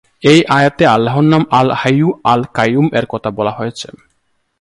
এই আয়াতে আল্লাহর নাম "আল-হাইয়্যু", "আল-কাইয়ুম" এর কথা বলা হয়েছে।